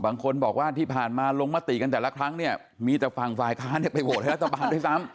บางคนบอกว่าที่ผ่านมาลงมติกันแต่ละครั้งเนี่ยมีแต่ฝั่งฝ่ายค้านไปโหวตให้รัฐบาลด้วยซ้ำ